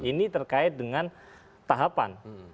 ini terkait dengan tahapan